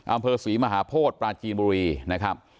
อำเภอศรีมหาโพธิปราจีนบุรีนะครับ